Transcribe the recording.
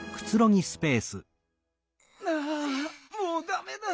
はあもうダメだ。